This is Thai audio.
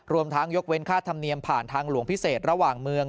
รวมทั้งยกเว้นค่าธรรมเนียมผ่านทางหลวงพิเศษระหว่างเมือง